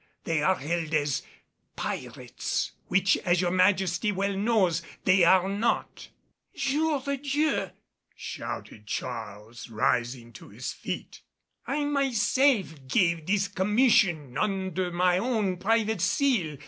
They are held as pirates, which, as your Majesty well knows, they are not." "Jour de Dieu!" shouted Charles, rising to his feet. "I myself gave this commission under my own private seal.